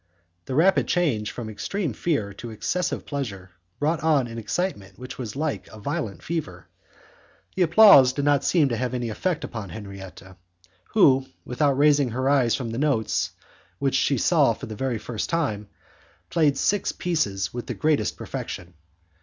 The rapid change from extreme fear to excessive pleasure brought on an excitement which was like a violent fever. The applause did not seem to have any effect upon Henriette, who, without raising her eyes from the notes which she saw for the first time, played six pieces with the greatest perfection.